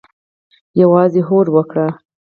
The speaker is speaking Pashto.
یوازې هوډ وکړئ